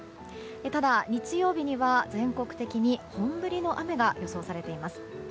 ただ、日曜日には全国的に本降りの雨が予想されています。